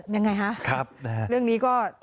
ยังไงคะเรื่องนี้ก็ครับ